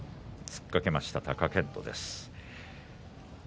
突っかけたのは貴健斗です。